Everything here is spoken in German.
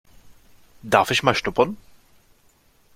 Darf ich mal schnuppern?